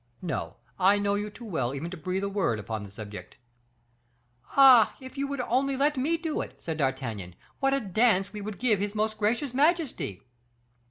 No! I know you too well even to breathe a word upon the subject." "Ah! if you would only let me do it," said D'Artagnan, "what a dance we would give his most gracious majesty!"